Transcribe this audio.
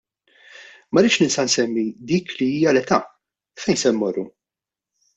Ma rridx ninsa nsemmi dik li hija l-età: Fejn se mmorru?